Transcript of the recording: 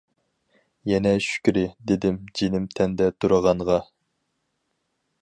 يەنە شۈكرى دېدىم جېنىم تەندە تۇرغانغا.